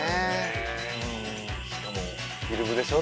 しかもフィルムでしょ